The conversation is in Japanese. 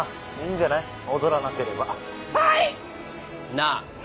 なあ？